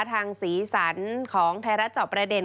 สีสันของไทยรัฐจอบประเด็น